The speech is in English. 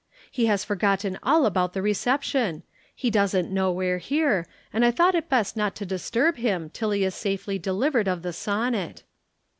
He has forgotten all about the reception he doesn't know we're here and I thought it best not to disturb him till he is safely delivered of the sonnet.'